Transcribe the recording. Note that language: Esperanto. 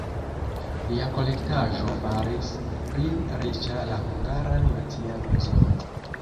Lia kolektaĵo faris pli riĉa la Hungaran Nacian Muzeon.